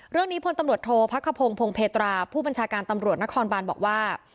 เรื่องนี้พนตำรวจโทธพักขพงศ์พงศ์เพตราผู้บัญชาการตำรวจนครบาลบอกว่า